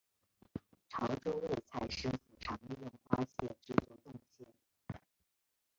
潮洲味菜师傅常利用花蟹制作冻蟹。